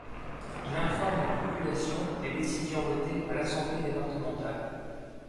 Il informe la population des décisions votées par l'assemblée départementale.